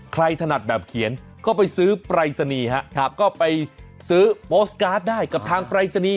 ถนัดแบบเขียนก็ไปซื้อปรายศนีย์ก็ไปซื้อโปสตการ์ดได้กับทางปรายศนีย์